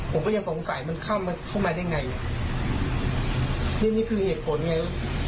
ผมก็ยังสงสัยมันเข้ามาเข้ามาได้ยังไงนี่นี่คือเหตุผลไง